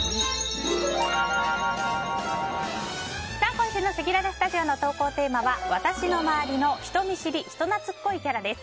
今週のせきららスタジオの投稿テーマは私の周りの人見知り・人懐っこいキャラです。